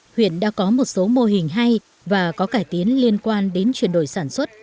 huyện đã có một số mô hình hay và có cải tiến liên quan đến chuyển đổi sản xuất